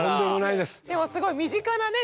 でもすごい身近なね